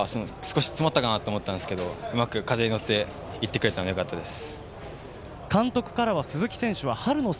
打った瞬間詰まったかなと思ったんですけどうまく風に乗っていってくれたのでよかったです。